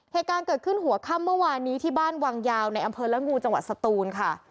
เหตุการณ์เกิดขึ้นหัวค่ำเมื่อวานนี้ที่บ้านวังยาวในอำเภอละงูจังหวัดสตูนค่ะ